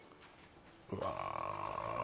うわ